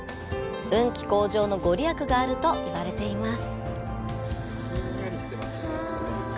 運気向上のご利益があるといわれています。